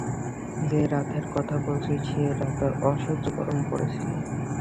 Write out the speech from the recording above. যে-রাতের কথা বলছি, সে-রাতে অসহ্য গরম পড়েছিল।